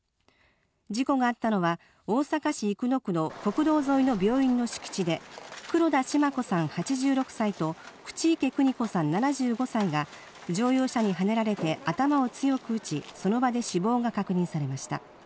事故があったのは大阪市生野区の国道沿いの病院の敷地で、黒田シマ子さん・８６歳と、口池邦子さん・７５歳が、乗用車にはねられて頭を強く打ち、その場で死亡が確認されました。